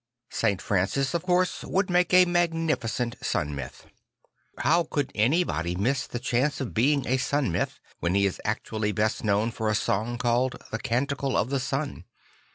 St. Francis, of course, would make a mag nificent Sun l\lyth. How could anybody miss the chance of being a Sun Myth when he is actually best known by a song called The Canticle of the Sun?